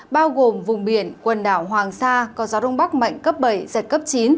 bao gồm vùng biển quần đảo hoàng sa có gió đông bắc mạnh cấp bảy giật cấp chín